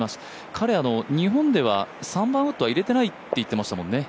彼は日本では３番ウッドは入れてないって言ってましたもんね。